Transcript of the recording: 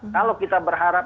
kalau kita berharap